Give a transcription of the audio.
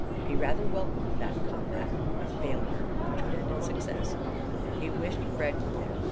He rather welcomed that combat with failure which would end in success. He wished Fred were there.